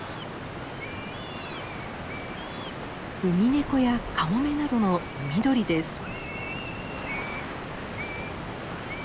ウミネコやカモメなどの海鳥です。